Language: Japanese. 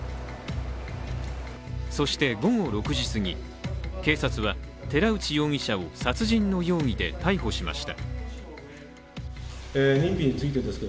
そして午後６時すぎ、警察は寺内容疑者を殺人の容疑で逮捕しました。